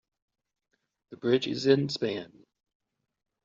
The bridge is in span.